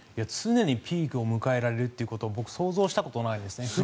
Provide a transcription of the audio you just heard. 常にピークを迎えられるということを僕、想像したことないですね。